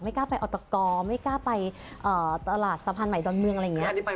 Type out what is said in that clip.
กล้าไปออตกไม่กล้าไปตลาดสะพานใหม่ดอนเมืองอะไรอย่างนี้